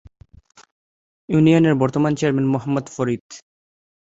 ইউনিয়নের বর্তমান চেয়ারম্যান মোহাম্মদ ফরিদ।